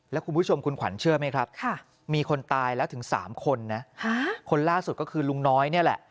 แล้วคุณผู้ชมคุณขวัญเชื่อไหมครับมีคนตายแล้วถึง๓คนนะคนล่าสุดก็คือลุงน้อยนี่แหละ